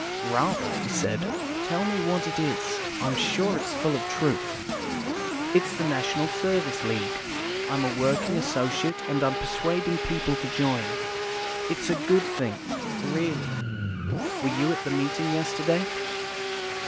"Rather," he said. "Tell me what it is. I'm sure it's full of truth." "It's the National Service League. I'm a working associate, and I'm persuading people to join. It's a good thing, really. Were you at the meeting yesterday?"